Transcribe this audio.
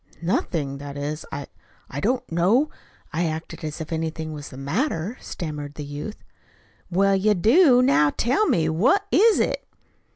"Nothing. That is, I I did not know I acted as if anything was the matter," stammered the youth. "Well, you do. Now, tell me, what is it?"